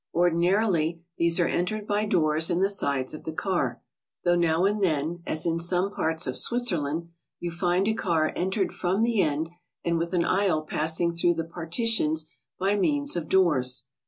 Ordinarily these are entered by doors in the sides of the car, thoug h now and then, as in some parts of Switzerland, you find a car entered from the end and with an aisle passing through the partitions by means of doors.